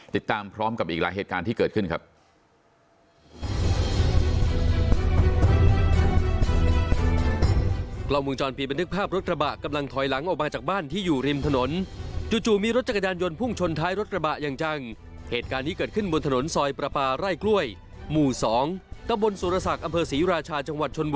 ติดตามพร้อมกับอีกหลายเหตุการณ์ที่เกิดขึ้นครับ